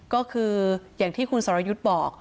ก็คืออย่างที่คุณสรยุทธ์บอก